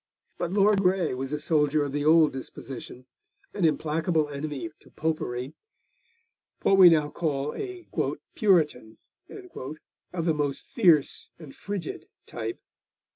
But Lord Grey was a soldier of the old disposition, an implacable enemy to Popery, what we now call a 'Puritan' of the most fierce and frigid type.